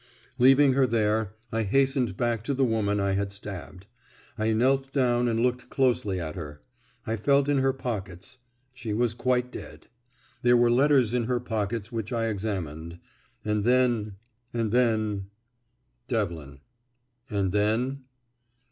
Leaving her there, I hastened back to the woman I had stabbed. I knelt down and looked closely at her. I felt in her pockets; she was quite dead. There were letters in her pockets which I examined, and then and then " Devlin: "And then?"